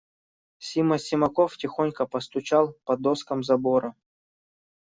Сима Симаков тихонько постучал по доскам забора.